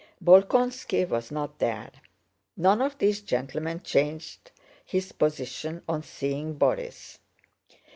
Bolkónski was not there. None of these gentlemen changed his position on seeing Borís.